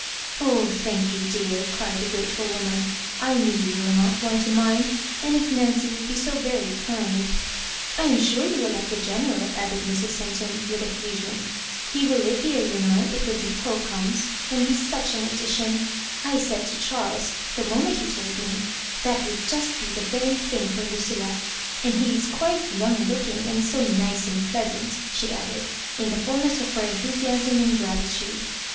" Oh, thank you, dear," cried the grateful wo man ; "I knew you were not one to mind ; and if Nancy would be so very kind I am sure you will like the General," added Mrs. Centum, with effusion ;" he will live here, you know, if the depot comes, and be such an addition I I said to Charles, the moment' he told me, That would just be the very thing for Lucilla ! And he is quite young lookip^, and so pice and pleasant," she added, in the fulness of her enthusiasm and gratitude.